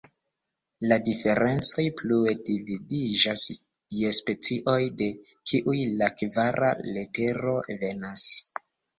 La Diferencoj plue dividiĝas je "Specioj", de kiuj la kvara letero venas.